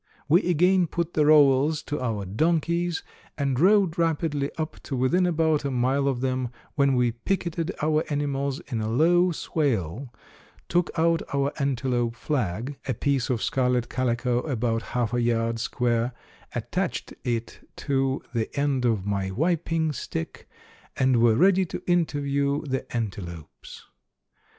We again put the rowels to our donkeys and rode rapidly up to within about a mile of them, when we picketed our animals in a low swale, took out our antelope flag a piece of scarlet calico about half a yard square attached it to the end of my wiping stick, and were ready to interview the antelopes.